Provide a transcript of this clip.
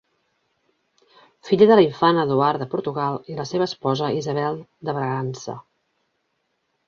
Filla de l'infant Eduard de Portugal i la seva esposa Isabel de Bragança.